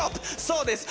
そうです